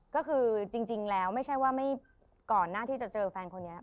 ก็คือจริงแล้วไม่ใช่ว่าก่อนหน้าที่จะเจอแฟนคนนี้